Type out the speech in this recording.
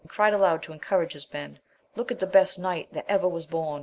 53 cried aloud to encourage his men, Look at the best knight that ever was bom